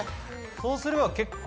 そうすれば結構。